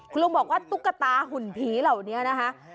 คุณลุงบอกว่าตุ๊กตาหุ่นผีเหล่านี้นะคะ